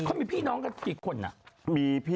เขามีพี่น้องกันกี่คนอ่ะ